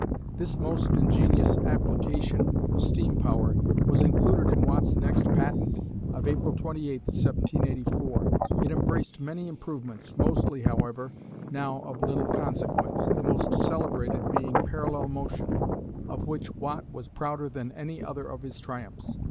This most ingenious application of steam power was included in Watt's next patent of April 28, 1784. It embraced many improvements, mostly, however, now of little consequence, the most celebrated being "parallel motion," of which Watt was prouder than any other of his triumphs.